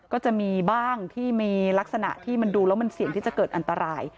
ก็จะมีบ้างที่มีลักษณะที่มันดูแล้วมันเสี่ยงที่จะเกิดอันตราย